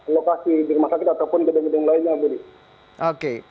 saya sudah mendapatkan informasi terkait lokasi rumah sakit ataupun gedung gedung lainnya